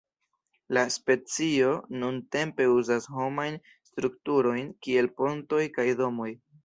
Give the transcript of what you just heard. La specio nuntempe uzas homajn strukturojn kiel pontoj kaj domoj.